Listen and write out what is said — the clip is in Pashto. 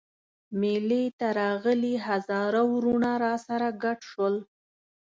مېلې ته راغلي هزاره وروڼه راسره ګډ شول.